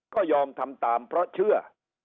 ก็ยอมทำตามเพราะเชื่อ